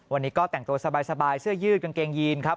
วันนี้ก็แต่งตัวสบายเสื้อยืดกางเกงยีนครับ